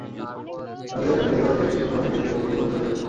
রাজুদের শান্তিনিকেতনের বাড়িতে বেশ কিছু সময় থেকে দুজন বন্ধু হয়ে যান।